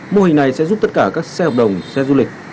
mô hình này sẽ giúp tất cả các xe hợp đồng xe du lịch